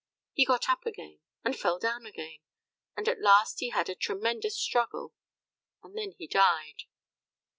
He got up again and fell down again, and at last he had a tremendous struggle, and then he died.